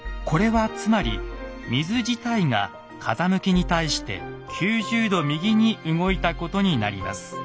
これはつまり水自体が風向きに対して９０度右に動いたことになります。